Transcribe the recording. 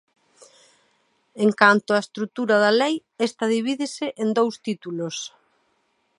En canto á estrutura da lei, esta divídese en dous títulos.